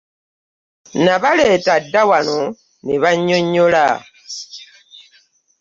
Nabaleeta dda wano ne bannyonnyola.